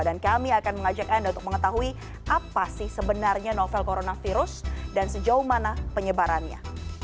dan kami akan mengajak anda untuk mengetahui apa sih sebenarnya novel coronavirus dan sejauh mana penyebarannya